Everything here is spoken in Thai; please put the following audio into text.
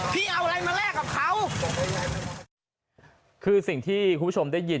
พี่เอาอะไรมาแลกกับเขาคือสิ่งที่คุณผู้ชมได้ยิน